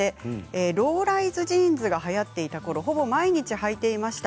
ローライズジーンズがはやっていたころ、ほぼ毎日はいていました。